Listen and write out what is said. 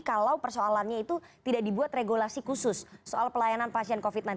kalau persoalannya itu tidak dibuat regulasi khusus soal pelayanan pasien covid sembilan belas